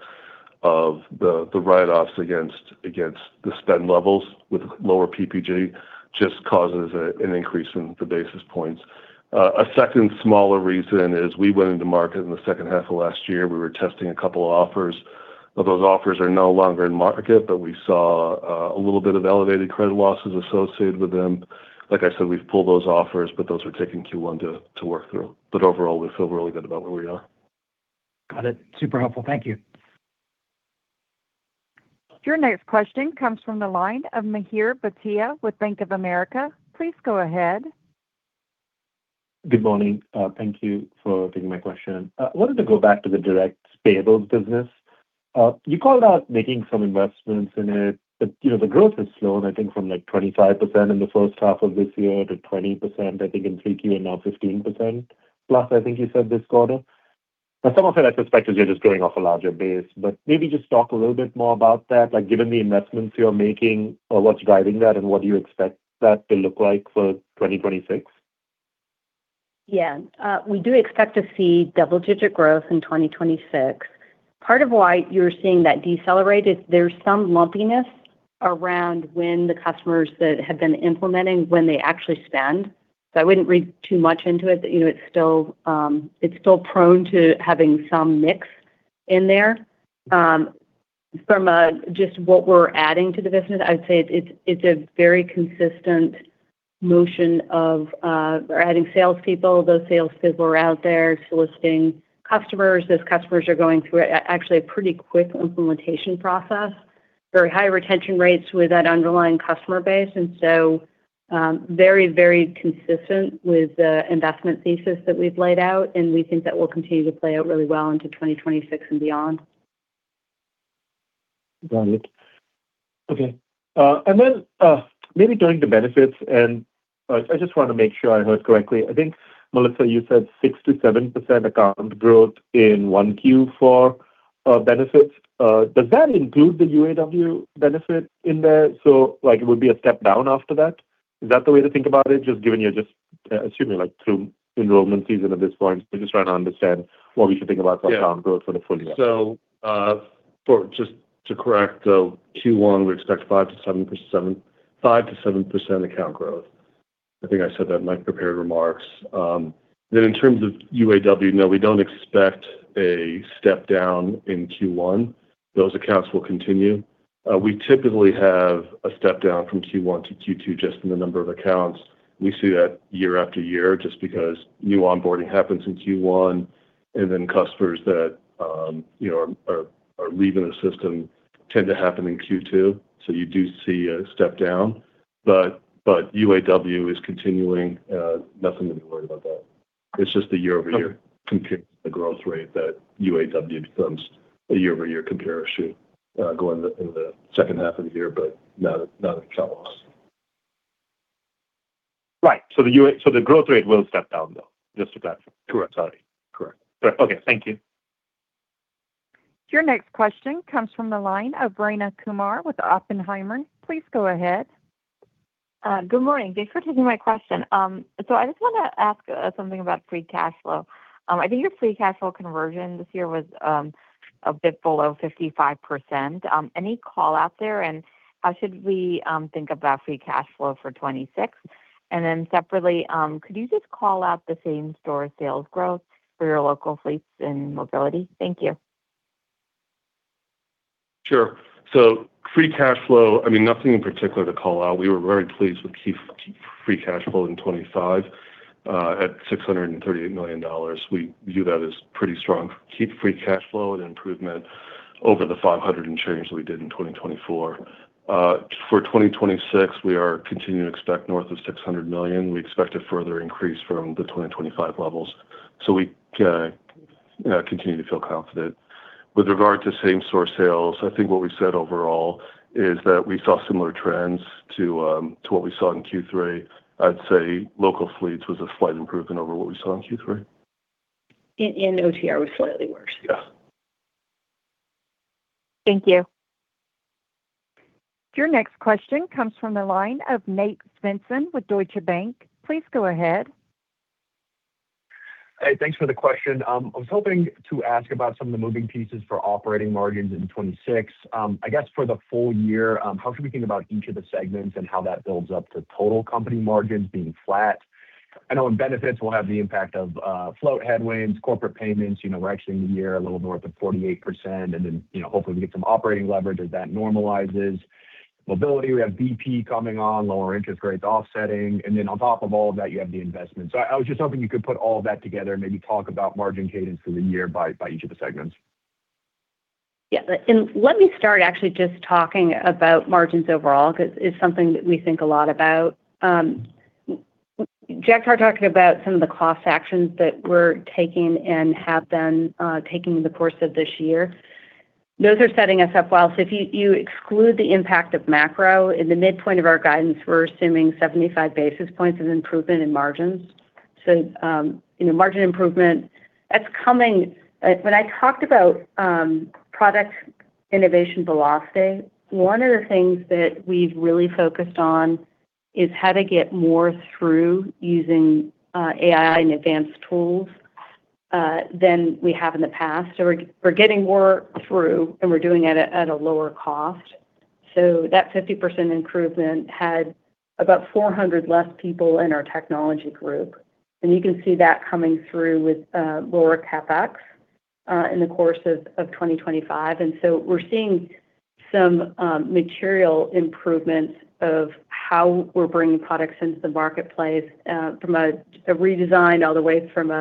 the write-offs against the spend levels with lower PPG just causes an increase in the basis points. A second smaller reason is we went into market in the second half of last year. We were testing a couple of offers. Now those offers are no longer in market but we saw a little bit of elevated credit losses associated with them. Like I said we've pulled those offers but those were taken Q1 to work through but overall we feel really good about where we are. Got it. Super helpful. Thank you. Your next question comes from the line of Mihir Bhatia with Bank of America. Please go ahead. Good morning. Thank you for taking my question. I wanted to go back to the direct payables business. You called out making some investments in it but the growth has slowed I think from 25% in the first half of this year to 20% I think in 3Q and now 15% plus I think you said this quarter. Now some of it I suspect is you're just growing off a larger base but maybe just talk a little bit more about that given the investments you're making or what's driving that and what do you expect that to look like for 2026? Yeah. We do expect to see double-digit growth in 2026. Part of why you're seeing that decelerate is there's some lumpiness around when the customers that have been implementing when they actually spend. So I wouldn't read too much into it but it's still prone to having some mix in there. From just what we're adding to the business I would say it's a very consistent motion of adding salespeople. Those salespeople are out there soliciting customers as customers are going through actually a pretty quick implementation process, very high retention rates with that underlying customer base and so very, very consistent with the investment thesis that we've laid out and we think that will continue to play out really well into 2026 and beyond. Got it. Okay. And then maybe going to benefits, and I just want to make sure I heard correctly. I think Melissa, you said 6%-7% account growth in 1Q for benefits. Does that include the UAW benefit in there? So it would be a step down after that. Is that the way to think about it just given you're just assuming through enrollment season at this point? We're just trying to understand what we should think about for account growth for the full year. So just to correct though Q1 we expect 5%-7% account growth. I think I said that in my prepared remarks. Then in terms of UAW no we don't expect a step down in Q1. Those accounts will continue. We typically have a step down from Q1 -Q2 just in the number of accounts. We see that year after year just because new onboarding happens in Q1 and then customers that are leaving the system tend to happen in Q2 so you do see a step down but UAW is continuing. Nothing to be worried about that. It's just the year-over-year comparison of the growth rate that UAW becomes a year-over-year comparison going in the second half of the year but not an account loss. Right. So the growth rate will step down though just to clarify? Correct. Sorry. Correct. Correct. Okay. Thank you. Your next question comes from the line of Rayna Kumar with Oppenheimer. Please go ahead. Good morning. Thanks for taking my question. So I just want to ask something about free cash flow. I think your free cash flow conversion this year was a bit below 55%. Any call out there and how should we think about free cash flow for 2026? And then separately could you just call out the same store sales growth for your local fleets and mobility? Thank you. Sure. So free cash flow I mean nothing in particular to call out. We were very pleased with our free cash flow in 2025 at $638 million. We view that as pretty strong free cash flow and improvement over the $500 million and change that we did in 2024. For 2026 we are continuing to expect north of $600 million. We expect a further increase from the 2025 levels so we continue to feel confident. With regard to same store sales I think what we said overall is that we saw similar trends to what we saw in Q3. I'd say local fleets was a slight improvement over what we saw in Q3. OTR was slightly worse. Yeah. Thank you. Your next question comes from the line of Nate Svensson with Deutsche Bank. Please go ahead. Hey, thanks for the question. I was hoping to ask about some of the moving pieces for operating margins in 2026. I guess for the full year how should we think about each of the segments and how that builds up to total company margins being flat? I know in Benefits we'll have the impact of float headwinds, Corporate Payments. We're actually in the year a little north of 48% and then hopefully we get some operating leverage as that normalizes. Mobility we have BP coming on, lower interest rates offsetting, and then on top of all of that you have the investments. So I was just hoping you could put all of that together and maybe talk about margin cadence for the year by each of the segments. Yeah. And let me start actually just talking about margins overall because it's something that we think a lot about. Jagtar talked about some of the cost actions that we're taking and have been taking in the course of this year. Those are setting us up well. So if you exclude the impact of macro in the midpoint of our guidance, we're assuming 75 basis points of improvement in margins. So margin improvement that's coming. When I talked about product innovation velocity, one of the things that we've really focused on is how to get more throughput using AI and advanced tools than we have in the past. So we're getting more throughput and we're doing it at a lower cost. So that 50% improvement had about 400 less people in our technology group and you can see that coming through with lower CapEx in the course of 2025. We're seeing some material improvements of how we're bringing products into the marketplace from a redesign all the way from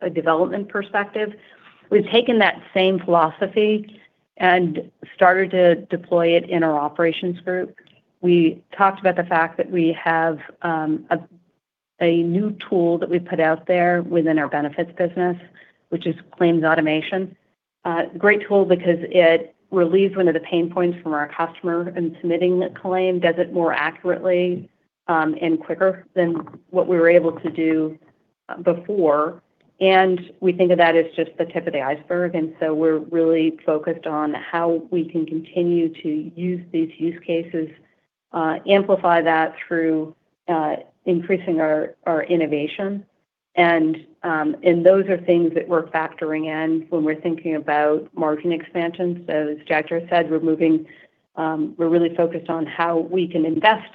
a development perspective. We've taken that same philosophy and started to deploy it in our operations group. We talked about the fact that we have a new tool that we put out there within our benefits business, which is claims automation. Great tool, because it relieves one of the pain points from our customer in submitting a claim. Does it more accurately and quicker than what we were able to do before, and we think of that as just the tip of the iceberg. We're really focused on how we can continue to use these use cases, amplify that through increasing our innovation, and those are things that we're factoring in when we're thinking about margin expansion. So as Jack VanWoerkom said, we're moving. We're really focused on how we can invest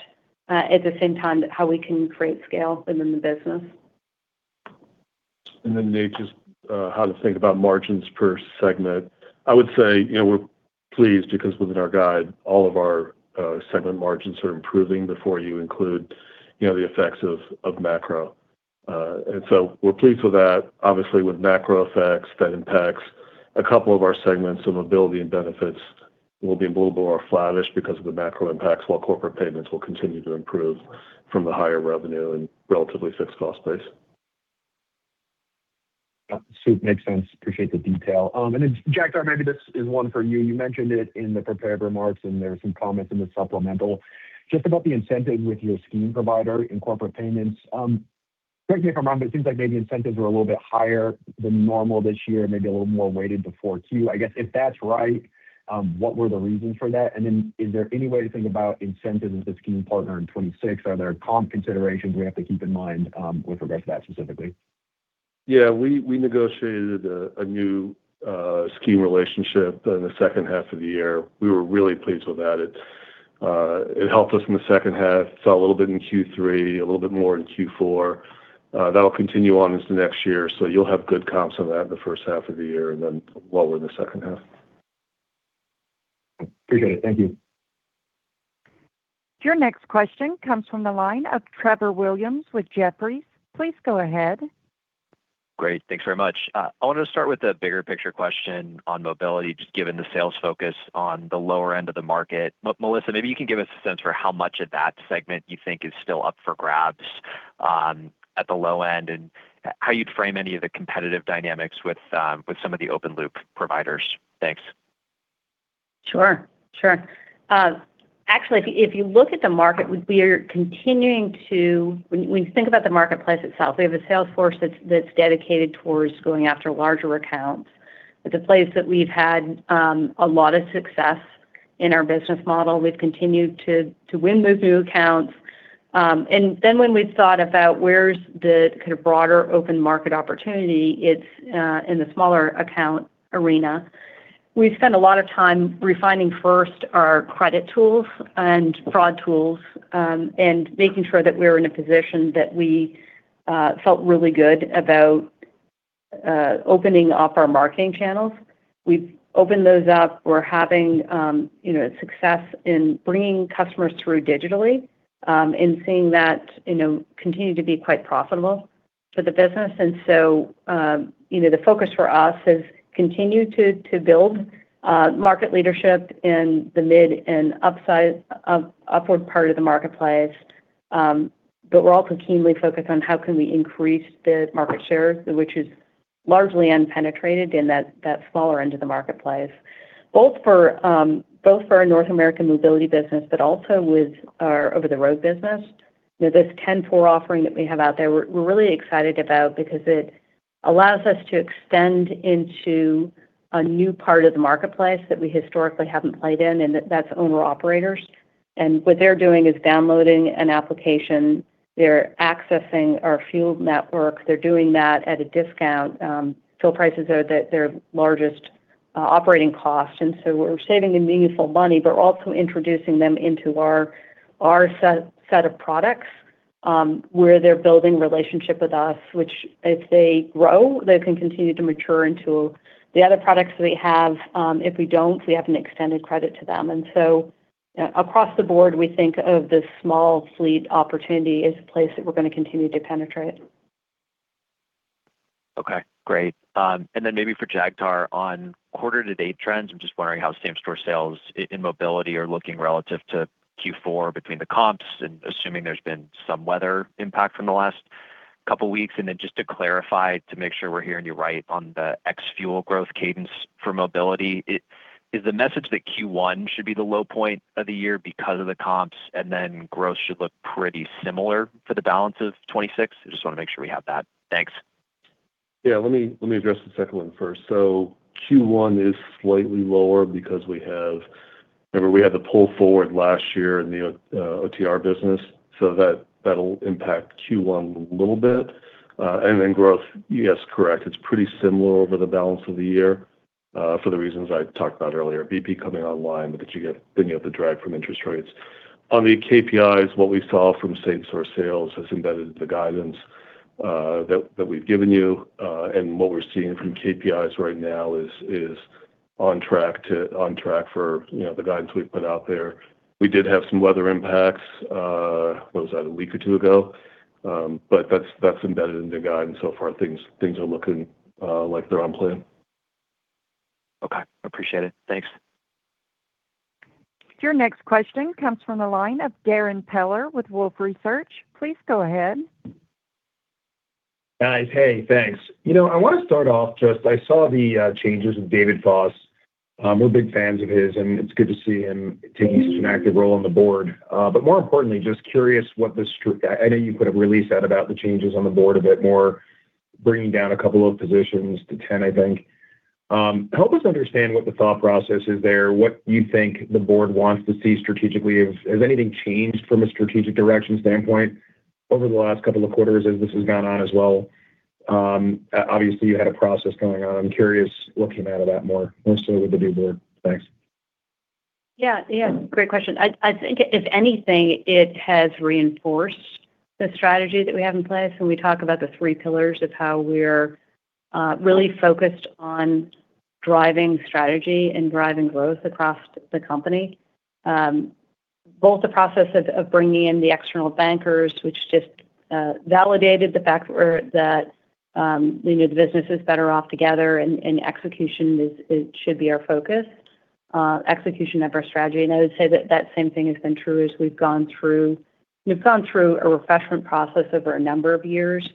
at the same time how we can create scale within the business. And then, Nate, just how to think about margins per segment. I would say we're pleased because within our guide all of our segment margins are improving before you include the effects of macro. And so we're pleased with that. Obviously with macro effects that impacts a couple of our segments and mobility and benefits will be a little more flatish because of the macro impacts while corporate payments will continue to improve from the higher revenue and relatively fixed cost base. That makes sense. I appreciate the detail. Then Jagtar, maybe this is one for you. You mentioned it in the prepared remarks and there were some comments in the supplemental just about the incentive with your scheme provider in corporate payments. Correct me if I'm wrong but it seems like maybe incentives were a little bit higher than normal this year and maybe a little more weighted to 4Q. I guess if that's right what were the reasons for that? Then is there any way to think about incentives with the scheme partner in 2026? Are there comp considerations we have to keep in mind with regard to that specifically? Yeah. We negotiated a new Scheme relationship in the second half of the year. We were really pleased with that. It helped us in the second half. Saw a little bit in Q3, a little bit more in Q4. That'll continue on into next year so you'll have good comps on that in the first half of the year and then lower in the second half. Appreciate it. Thank you. Your next question comes from the line of Trevor Williams with Jefferies. Please go ahead. Great. Thanks very much. I wanted to start with a bigger picture question on mobility just given the sales focus on the lower end of the market. Melissa maybe you can give us a sense for how much of that segment you think is still up for grabs at the low end and how you'd frame any of the competitive dynamics with some of the open loop providers? Thanks. Sure. Sure. Actually, if you look at the market, we are continuing to, when you think about the marketplace itself, we have a sales force that's dedicated towards going after larger accounts. It's a place that we've had a lot of success in our business model. We've continued to win those new accounts. And then, when we've thought about where's the kind of broader open market opportunity, it's in the smaller account arena. We've spent a lot of time refining first our credit tools and fraud tools and making sure that we were in a position that we felt really good about opening up our marketing channels. We've opened those up. We're having success in bringing customers through digitally and seeing that continue to be quite profitable for the business. And so the focus for us is continue to build market leadership in the mid and upward part of the marketplace, but we're also keenly focused on how can we increase the market share which is largely unpenetrated in that smaller end of the marketplace. Both for our North American mobility business but also with our over-the-road business. This 10-4 offering that we have out there we're really excited about because it allows us to extend into a new part of the marketplace that we historically haven't played in and that's owner-operators. And what they're doing is downloading an application. They're accessing our fuel network. They're doing that at a discount. Fuel prices are their largest operating cost and so we're saving them meaningful money but we're also introducing them into our set of products where they're building relationship with us which if they grow they can continue to mature into the other products that we have. If we don't we have an extended credit to them. So across the board we think of this small fleet opportunity as a place that we're going to continue to penetrate. Okay. Great. And then maybe for Jagtar on quarter to date trends I'm just wondering how same store sales in mobility are looking relative to Q4 between the comps and assuming there's been some weather impact from the last couple of weeks? And then just to clarify to make sure we're hearing you right on the ex-fuel growth cadence for mobility is the message that Q1 should be the low point of the year because of the comps and then growth should look pretty similar for the balance of 2026? I just want to make sure we have that. Thanks. Yeah. Let me address the second one first. So Q1 is slightly lower because we have remember we had the pull forward last year in the OTR business so that'll impact Q1 a little bit. And then growth yes correct. It's pretty similar over the balance of the year for the reasons I talked about earlier. BP coming online but then you have the drag from interest rates. On the KPIs what we saw from same store sales has embedded in the guidance that we've given you and what we're seeing from KPIs right now is on track for the guidance we've put out there. We did have some weather impacts. What was that a week or two ago? But that's embedded into guidance so far. Things are looking like they're on plan. Okay. Appreciate it. Thanks. Your next question comes from the line of Darrin Peller with Wolfe Research. Please go ahead. Guys. Hey. Thanks. I want to start off just. I saw the changes with David Foss. We're big fans of his and it's good to see him taking such an active role on the board. But more importantly just curious what the. I know you put a release out about the changes on the board a bit more bringing down a couple of positions to 10 I think. Help us understand what the thought process is there. What you think the board wants to see strategically? Has anything changed from a strategic direction standpoint over the last couple of quarters as this has gone on as well? Obviously you had a process going on. I'm curious what came out of that more so with the new board. Thanks. Yeah. Yeah. Great question. I think if anything it has reinforced the strategy that we have in place. When we talk about the three pillars of how we're really focused on driving strategy and driving growth across the company. Both the process of bringing in the external bankers which just validated the fact that the business is better off together and execution should be our focus. Execution of our strategy. And I would say that that same thing has been true as we've gone through a refreshment process over a number of years.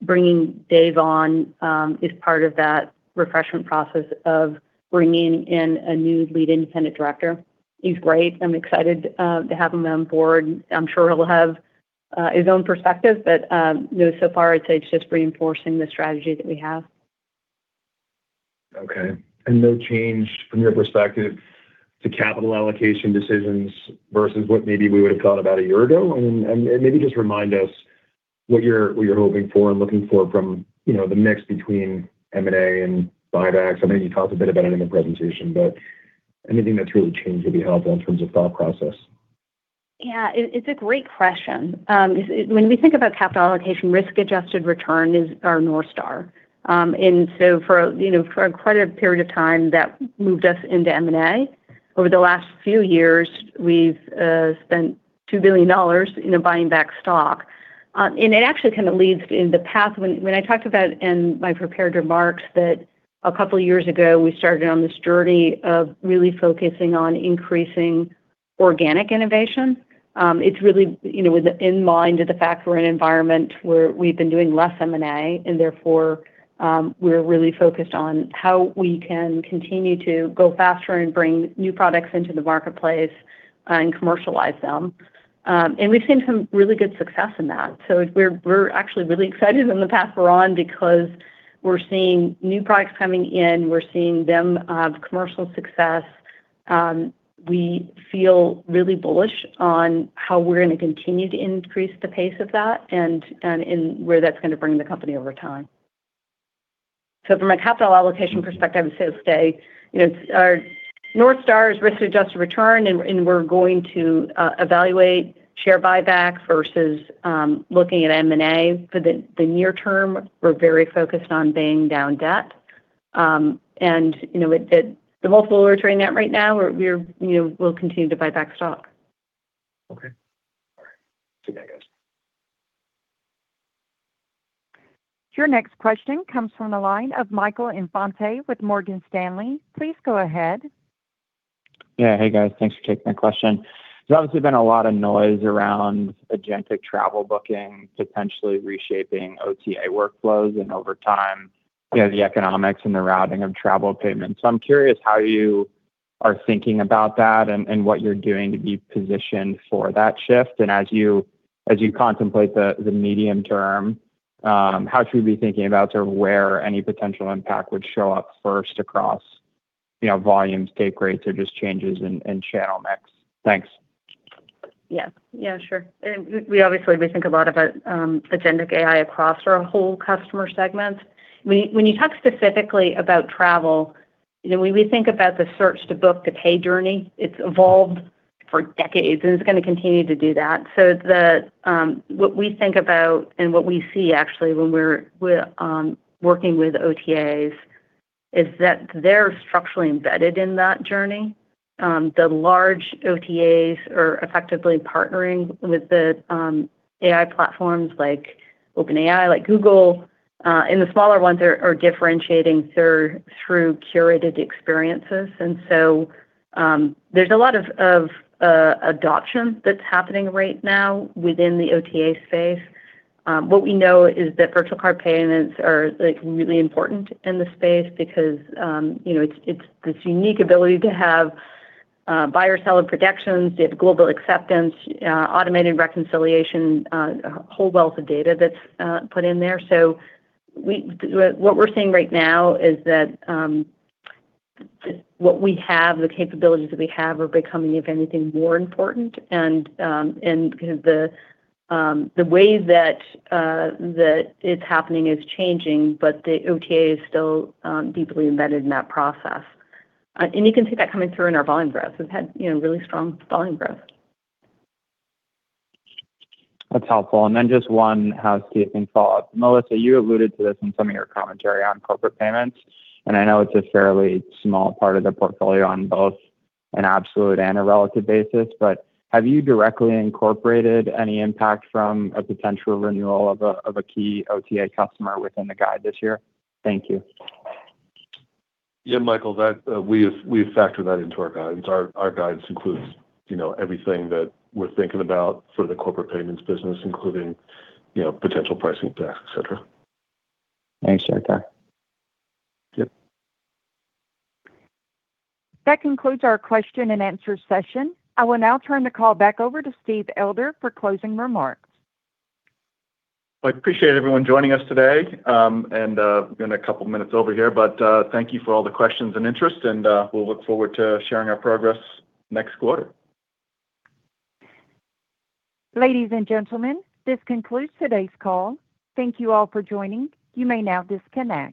Bringing Dave on is part of that refreshment process of bringing in a new lead independent director. He's great. I'm excited to have him on board. I'm sure he'll have his own perspective but so far I'd say it's just reinforcing the strategy that we have. Okay. No change from your perspective to capital allocation decisions versus what maybe we would have thought about a year ago? Maybe just remind us what you're hoping for and looking for from the mix between M&A and buybacks. I know you talked a bit about it in the presentation but anything that's really changed would be helpful in terms of thought process. Yeah. It's a great question. When we think about capital allocation, risk-adjusted return is our north star. And so for quite a period of time that moved us into M&A. Over the last few years we've spent $2 billion buying back stock. And it actually kind of leads in the path when I talked about in my prepared remarks that a couple of years ago we started on this journey of really focusing on increasing organic innovation. It's really in mind of the fact we're in an environment where we've been doing less M&A and therefore we're really focused on how we can continue to go faster and bring new products into the marketplace and commercialize them. And we've seen some really good success in that. So we're actually really excited in the path we're on because we're seeing new products coming in. We're seeing them have commercial success. We feel really bullish on how we're going to continue to increase the pace of that and where that's going to bring the company over time. So from a capital allocation perspective, I would say it'll stay our north star is risk-adjusted return, and we're going to evaluate share buyback versus looking at M&A for the near term. We're very focused on paying down debt. And the multiple we're trading at right now, we'll continue to buy back stock. Okay. All right. See you guys guys. Your next question comes from the line of Michael Infante with Morgan Stanley. Please go ahead. Yeah. Hey guys. Thanks for taking my question. There's obviously been a lot of noise around agentic travel booking potentially reshaping OTA workflows and over time the economics and the routing of travel payments. So I'm curious how you are thinking about that and what you're doing to be positioned for that shift? And as you contemplate the medium term how should we be thinking about sort of where any potential impact would show up first across volumes, take rates, or just changes in channel mix? Thanks. Yes. Yeah. Sure. And we obviously think a lot about Agentic AI across our whole customer segment. When you talk specifically about travel, when we think about the search to book to pay journey, it's evolved for decades and it's going to continue to do that. So what we think about and what we see, actually, when we're working with OTAs is that they're structurally embedded in that journey. The large OTAs are effectively partnering with the AI platforms like OpenAI, like Google. And the smaller ones are differentiating through curated experiences. And so there's a lot of adoption that's happening right now within the OTA space. What we know is that virtual card payments are really important in the space because it's this unique ability to have buyer-seller predictions. You have global acceptance, automated reconciliation, a whole wealth of data that's put in there. What we're seeing right now is that what we have the capabilities that we have are becoming if anything more important. The way that it's happening is changing but the OTA is still deeply embedded in that process. You can see that coming through in our volume growth. We've had really strong volume growth. That's helpful. Then just one housekeeping follow-up. Melissa, you alluded to this in some of your commentary on corporate payments, and I know it's a fairly small part of the portfolio on both an absolute and a relative basis, but have you directly incorporated any impact from a potential renewal of a key OTA customer within the guide this year? Thank you. Yeah. Michael. We factor that into our guidance. Our guidance includes everything that we're thinking about for the corporate payments business including potential pricing impacts, etc. Thanks, Jagtar. Yep. That concludes our question and answer session. I will now turn the call back over to Steve Elder for closing remarks. Well, I appreciate everyone joining us today. We've been a couple of minutes over here, but thank you for all the questions and interest, and we'll look forward to sharing our progress next quarter. Ladies and gentlemen, this concludes today's call. Thank you all for joining. You may now disconnect.